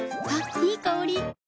いい香り。